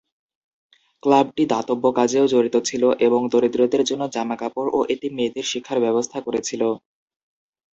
ক্লাবটি দাতব্য কাজেও জড়িত ছিলো, এবং দরিদ্রদের জন্য জামাকাপড় এবং এতিম মেয়েদের শিক্ষার ব্যবস্থা করেছিল।